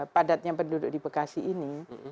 padatnya penduduk di bekasi ini